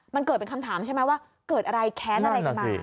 มันเกิดเป็นคำถามใช่ไหมว่าเกิดอะไรแค้นอะไรกันมา